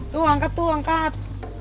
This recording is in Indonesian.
tuh angkat tuh angkat